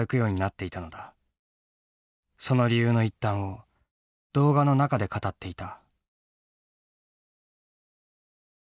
その理由の一端を動画の中で語っていた。